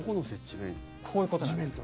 こういうことなんです。